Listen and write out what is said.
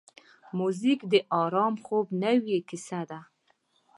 موزیک د آرام خوب نوې کیسه ده.